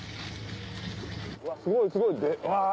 すごいすごいうわ。